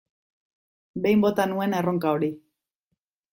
Behin bota nuen erronka hori.